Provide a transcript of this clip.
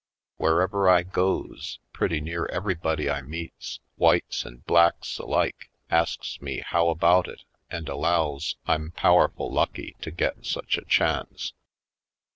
Wherever I goes, pretty near everybody I meets, whites and blacks alike, asks me how about it and allows I'm powerful lucky to get such a chance.